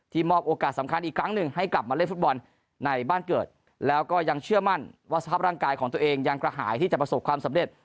มอบโอกาสสำคัญอีกครั้งหนึ่งให้กลับมาเล่นฟุตบอลในบ้านเกิดแล้วก็ยังเชื่อมั่นว่าสภาพร่างกายของตัวเองยังกระหายที่จะประสบความสำเร็จ